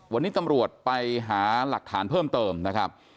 วันนี้ตำรวจไปหาหลักฐานเพิ่มเติมนะครับ